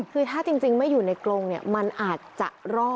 คือถ้าจริงไม่อยู่ในกรงเนี่ยมันอาจจะรอด